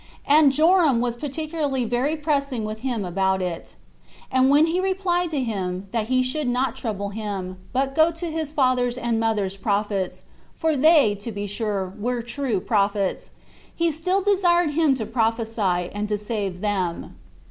and Joram was particularly very pressing with him about it. And when he replied to him, that he should not trouble him, but go to his father's and mother's prophets, for they [to be sure] were true prophets, he still desired him to prophesy, and to save them.